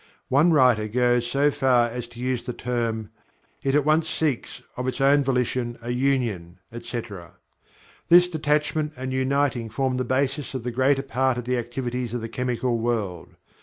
One writer goes so far as to use the term "it at once seeks, of its own volition, a union," etc. This detachment and uniting form the basis of the greater part of the activities of the chemical world.